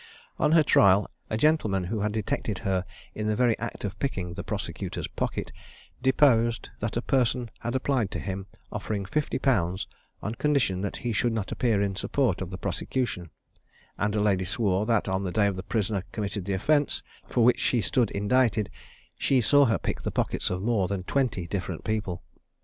On her trial, a gentleman who had detected her in the very act of picking the prosecutor's pocket, deposed that a person had applied to him, offering fifty pounds, on condition that he should not appear in support of the prosecution: and a lady swore that on the day the prisoner committed the offence for which she stood indicted, she saw her pick the pockets of more than twenty different people.